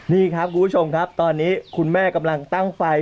นี่ครับคุณผู้ชมครับตอนนี้คุณแม่กำลังตั้งไฟ